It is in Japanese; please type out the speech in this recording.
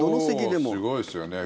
もうすごいですよね。